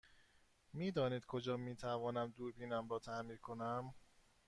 می دانید کجا می تونم دوربینم را تعمیر کنم؟